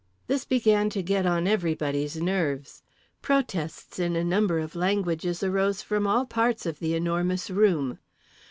This began to get on everybody's nerves. Protests in a number of languages arose from all parts of The Enormous Room.